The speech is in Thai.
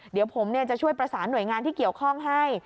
เดี๋ยวผมจะช่วยประสานหน่วยงานที่เกี่ยวข้องให้